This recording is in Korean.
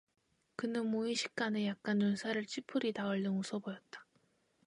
그는 무의식간에 약간 눈살을 찌푸리다가 얼른 웃어 보였다.